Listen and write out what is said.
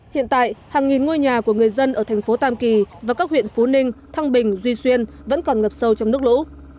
hiện tại hàng nghìn ngôi nhà của người dân ở thành phố tam kỳ và các huyện phú ninh thăng bình duy xuyên vẫn còn ngập sâu trong nước lũ